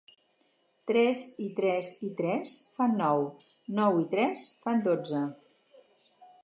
Tres i tres i tres fan nou, nou i tres fan dotze.